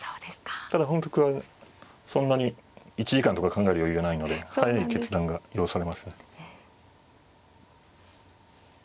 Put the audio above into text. ただ本局はそんなに１時間とか考える余裕ないので速い決断が要されますね。